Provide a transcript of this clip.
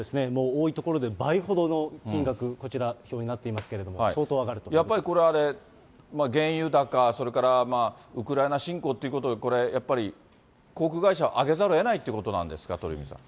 多いところで倍ほどの金額、こちらになっていまやっぱりこれ、原油高、それからウクライナ侵攻ということで、これ、やっぱり、航空会社、上げざるをえないっていうことなんですか、鳥海さん。